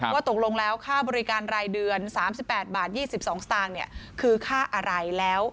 ว่าตกลงแล้วค่าบริการรายเดือน๓๘บาท๒๒สตางค์คือค่าอะไรแล้ว